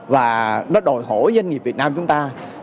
và nó đòi hỏi doanh nghiệp việt nam chúng ta